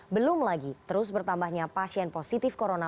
belum lagi terus bertambahnya pasien positif corona